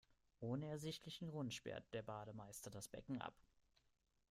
Ohne ersichtlichen Grund sperrt der Bademeister das Becken ab.